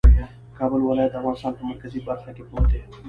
کابل ولایت د افغانستان په مرکزي برخه کې پروت دی